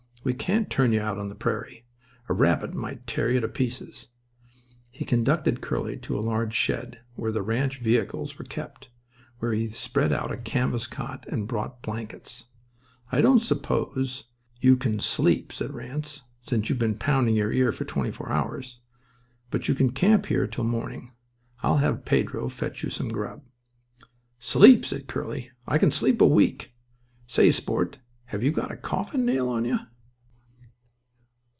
We can't turn you out on the prairie. A rabbit might tear you to pieces." He conducted Curly to a large shed where the ranch vehicles were kept. There he spread out a canvas cot and brought blankets. "I don't suppose you can sleep," said Ranse, "since you've been pounding your ear for twenty four hours. But you can camp here till morning. I'll have Pedro fetch you up some grub." "Sleep!" said Curly. "I can sleep a week. Say, sport, have you got a coffin nail on you?"